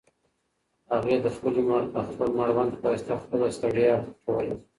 هغې د خپل مړوند په واسطه خپله ستړیا پټوله.